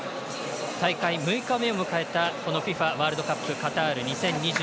大会６日目を迎えたＦＩＦＡワールドカップカタール２０２２１